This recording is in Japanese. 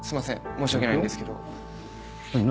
申し訳ないんですけど。